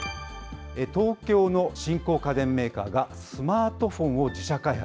東京の新興家電メーカーが、スマートフォンを自社開発。